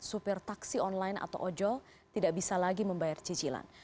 supir taksi online atau ojol tidak bisa lagi membayar cicilan